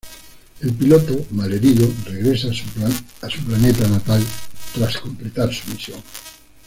El piloto, mal herido, regresa a su planeta natal tras completar su misión.